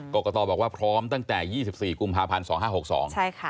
กรกตบอกว่าพร้อมตั้งแต่๒๔กุมภาพันธ์๒๕๖๒